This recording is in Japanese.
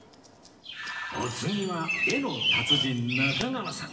お次は絵の達人中川さん